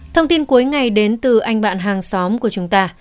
thông tin cuối ngày đến từ anh bạn hàng xóm của chúng ta